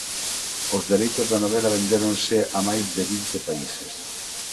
Os dereitos da novela vendéronse a máis de vinte países.